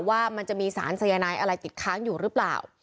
ว่ามันจะมีสารสายนายอะไรติดค้างอยู่หรือเปล่า